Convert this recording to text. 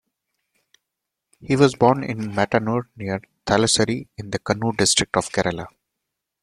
He was born in Mattanur, near Thalassery, in the Kannur district of Kerala.